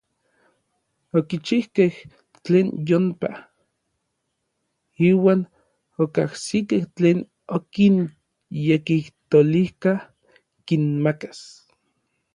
Okichijkej tlen yompa, iuan okajsikej tlen okinyekijtolijka kinmakas.